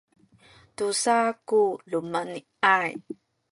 tusa ku lumeni’ay